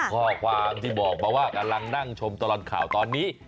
ข้อความที่บอกมาว่ากำลังนั่งชมตลอดข่าวตอนนี้